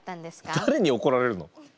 誰に怒られるの？